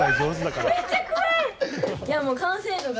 めっちゃ怖い！